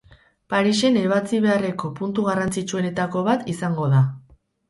Parisen ebatzi beharreko puntu garrantzitsuenetako bat izango da.